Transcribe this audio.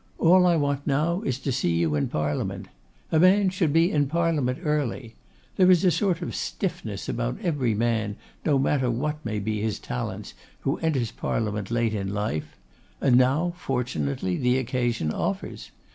All I want now is to see you in Parliament. A man should be in Parliament early. There is a sort of stiffness about every man, no matter what may be his talents, who enters Parliament late in life; and now, fortunately, the occasion offers.